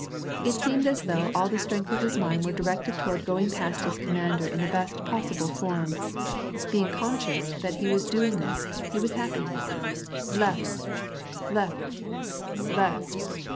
It seemed as though all the strength of his mind were directed toward going past his commander in the best possible form *; being conscious that he was doing this, he was happy. Left! left! left!